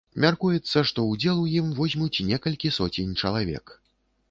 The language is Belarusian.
Мяркуецца, што ўдзел у ім возьмуць некалькі соцень чалавек.